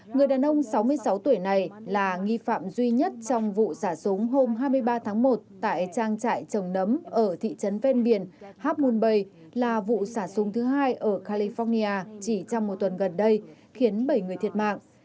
người đàn ông sáu mươi sáu tuổi này là nghi phạm duy nhất trong vụ xả súng hôm hai mươi ba tháng một tại trang trại trồng nấm ở thị trấn ven biển hapmunbay là vụ xả súng thứ hai ở california chỉ trong một tuần gần đây khiến bảy người thiệt mạng